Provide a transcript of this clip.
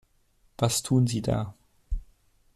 Was tun Sie da?